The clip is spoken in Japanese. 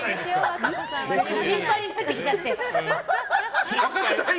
心配になってきちゃって。